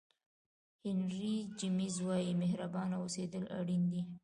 هینري جمیز وایي مهربانه اوسېدل اړین دي.